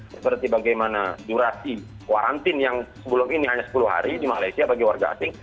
seperti bagaimana durasi warantin yang sebelum ini hanya sepuluh hari di malaysia bagi warga asing